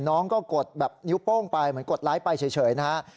น้องก็กดแบบนิ้วโป้งไปเหมือนกดไลค์ไปเฉยนะฮะ